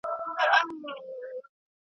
ستا په نوم به خیراتونه وېشل کېږي .